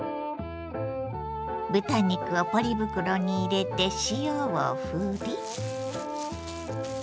豚肉をポリ袋に入れて塩をふり。